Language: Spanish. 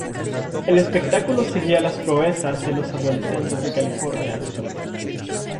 El espectáculo seguía las proezas de los adolescentes de California del Sur.